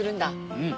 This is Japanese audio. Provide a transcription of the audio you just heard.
うん。